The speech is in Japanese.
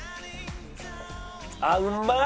あっうまい！